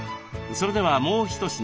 それではもう一品。